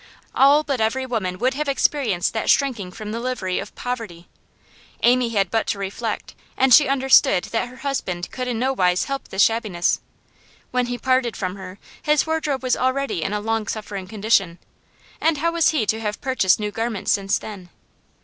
All but every woman would have experienced that shrinking from the livery of poverty. Amy had but to reflect, and she understood that her husband could in no wise help this shabbiness; when he parted from her his wardrobe was already in a long suffering condition, and how was he to have purchased new garments since then?